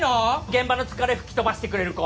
現場の疲れ吹き飛ばしてくれる子。